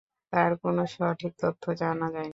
তার কোনো সঠিক তথ্য জানা যায়নি।